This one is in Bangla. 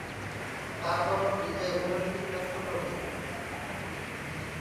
তার বাবা বিজয় ভারতী তার ছোট ভাই।